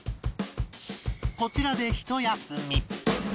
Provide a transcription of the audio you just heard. こちらでひと休み